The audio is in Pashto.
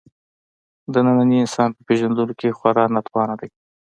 د ننني انسان په پېژندلو کې خورا ناتوانه دی.